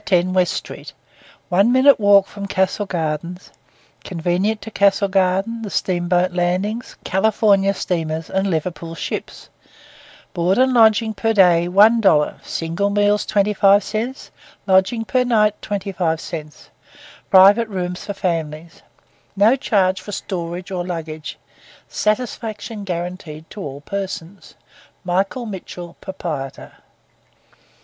10 West Street, one minutes walk from Castle Garden; convenient to Castle Garden, the Steamboat Landings, California Steamers and Liverpool Ships; Board and Lodging per day 1 dollar, single meals 25 cents, lodging per night 25 cents; private rooms for families; no charge for storage or baggage; satisfaction guaranteed to all persons; Michael Mitchell, Proprietor.